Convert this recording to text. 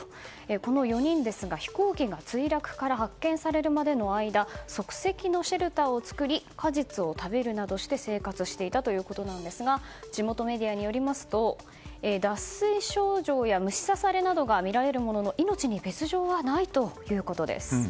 この４人ですが飛行機が墜落から発見されるまでの間即席のシェルターを作り果実を食べるなどして生活していたということですが地元メディアによりますと脱水症状や虫刺されなどが見られるものの命に別条はないということです。